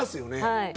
はい。